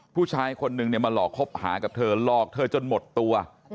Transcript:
ผู้ชายคนนึงเนี่ยมาหลอกคบหากับเธอหลอกเธอจนหมดตัว